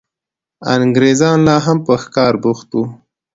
انګرېزان لا هم په ښکار بوخت وو.